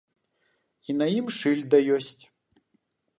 І на ім шыльда ёсць.